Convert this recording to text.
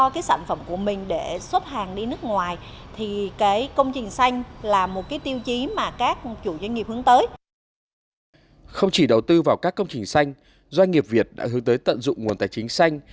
không chỉ đầu tư vào các công trình xanh doanh nghiệp việt đã hướng tới tận dụng nguồn tài chính xanh